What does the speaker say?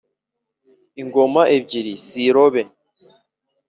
Ingoma ebyiri si irobe